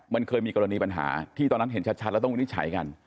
มันเคยมีกรณีปัญหาที่ตอนนั้นเห็นชัดแล้วต้องวินิจฉัยกัน